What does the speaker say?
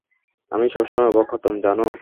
আমি সবসময় অবাক হতাম, জানো।